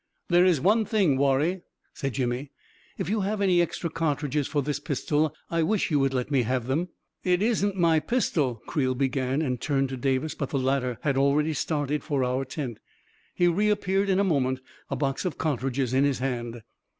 " There is one thing, Warrie," said Jimmy. " If you have any extra cartridges for this pistol, I wish you would let me have them." " It isn't my pistol, 9 ' Creel began, and turned to Davis, but the latter had already started for our tent. He reappeared in a moment, a box of cart ridges in his hand.